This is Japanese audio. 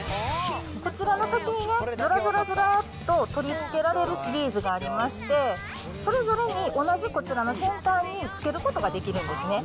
こちらの先に、ずらずらずらっと取り付けられるシリーズがありまして、それぞれに同じこちらの先端に付けることができるんですね。